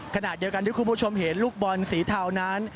ขณะเดียวกันที่คุณผู้ชมเห็นลูกบอลสีเทานั้น